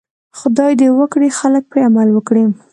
خدای دې وکړي خلک پرې عمل وکړي.